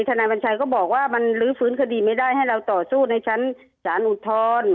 นายวัญชัยก็บอกว่ามันลื้อฟื้นคดีไม่ได้ให้เราต่อสู้ในชั้นศาลอุทธรณ์